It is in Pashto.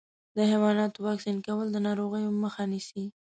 د حيواناتو واکسین کول د ناروغیو مخه نیسي.